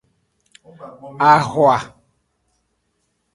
Axwa.